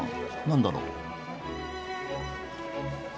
何だろう？